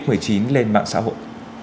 dịch covid một mươi chín lên mạng xã hội